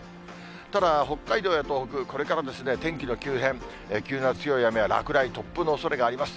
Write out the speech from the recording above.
ただ、北海道や東北、これから天気の急変、急な強い雨や落雷、突風のおそれがあります。